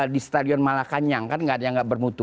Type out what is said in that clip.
di stadion malacanang yang nggak bermutu